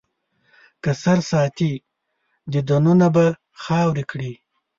که سر ساتې، دیدنونه به خاورې کړي.